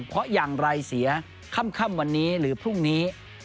เพราะอย่างไรเสียค่ำวันนี้หรือพรุ่งนี้